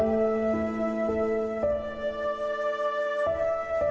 โหร้องเต็มกว่าแล้ว